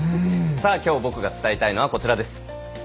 きょう僕が伝えたいのはこちらです。